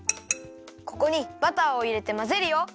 ここにバターをいれてまぜるよ。